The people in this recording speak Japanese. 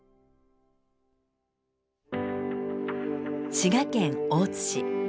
滋賀県大津市。